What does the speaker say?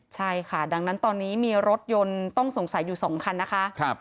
ใช่ค่ะดังนั้นตอนนี้มีรถยนต์ต้องสงสัยอยู่๒คันนะคะ